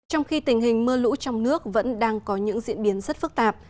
trong khi tình hình mưa lũ trong nước vẫn đang có những diễn biến rất phức tạp